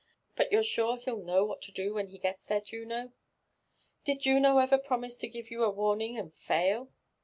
But you're sure he'll know what to do when he gets there, Juno?" " Did Juno ever promise to give you a warning and fail?